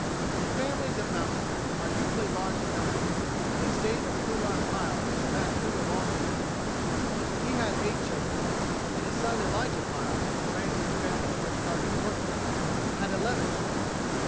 The families of mountain men are usually large in number, and the estate of Old Coonrod has passed through a long division. He had eight children, and his son Elijah Pile, the branch of the family to which Sergeant York belongs, had eleven children.